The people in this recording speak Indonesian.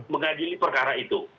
mengadili perkara itu